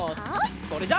それじゃあ。